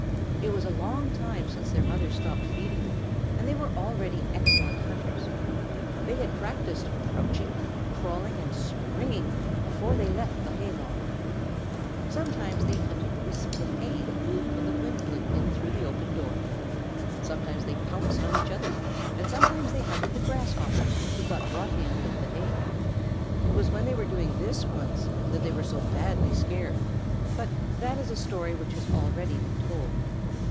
It was a long time since their mother stopped feeding them, and they were already excellent hunters. They had practised crouching, crawling, and springing before they left the hay loft. Sometimes they hunted wisps of hay that moved when the wind blew in through the open door. Sometimes they pounced on each other, and sometimes they hunted the Grasshoppers who got brought in with the hay. It was when they were doing this once that they were so badly scared, but that is a story which has already been told.